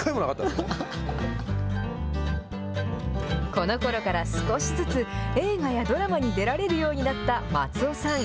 このころから、少しずつ映画やドラマに出られるようになった松尾さん。